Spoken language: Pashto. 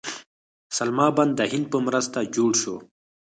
سلما بند د هند په مرسته جوړ شو